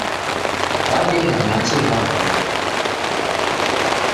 Wedegha machi gha vua